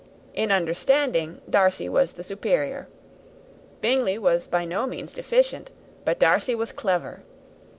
In understanding, Darcy was the superior. Bingley was by no means deficient; but Darcy was clever.